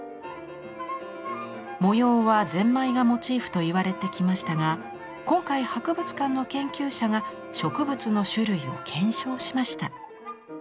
模様はゼンマイがモチーフといわれてきましたが今回博物館の研究者が植物の種類を検証しました。